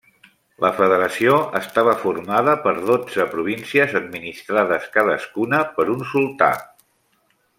La federació estava formada per dotze províncies administrades cadascuna per un sultà.